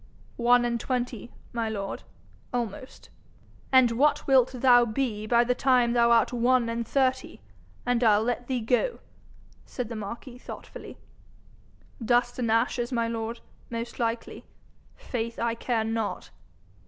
'One and twenty, my lord almost.' 'And what wilt thou be by the time thou art one and thirty, an' I'll let thee go,' said the marquis thoughtfully. 'Dust and ashes, my lord, most likely. Faith, I care not.'